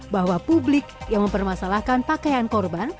bahwa publik yang mempermasalahkan pakaian korban